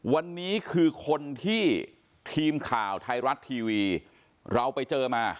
วันนี้คือคนที่ทีมข่าวไทยรัฐทีวีเราไปเจอมา